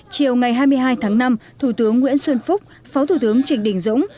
chiều ngày hai mươi hai tháng năm thủ tướng nguyễn xuân phúc phó thủ tướng trịnh đình dũng